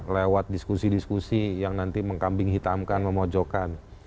lewat diskusi diskusi yang nanti mengkambing hitamkan memojokkan